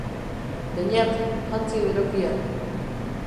Beñat, jantzi berokia.